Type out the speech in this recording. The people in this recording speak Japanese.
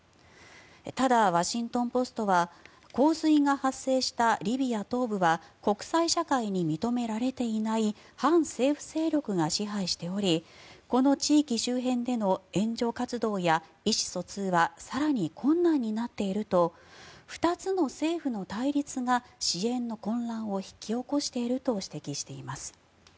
ただ、ワシントン・ポストは洪水が発生したリビア東部は国際社会に認められていない反政府勢力が支配しておりこの地域周辺での援助活動や意思疎通は更に困難になっていると２つの政府の対立が支援の混乱を引き起こしていると指摘しています。